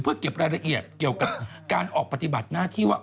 เพื่อเก็บรายละเอียดเกี่ยวกับการออกปฏิบัติหน้าที่ว่า